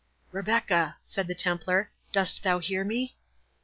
"Rebecca," said the Templar, "dost thou hear me?"